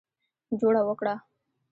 جوړه وکړه.